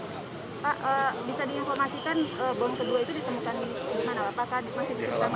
pak bisa diinformasikan bom kedua itu ditemukan di mana pak